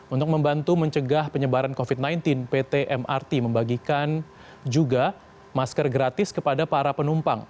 untuk membantu mencegah penyebaran covid sembilan belas pt mrt membagikan juga masker gratis kepada para penumpang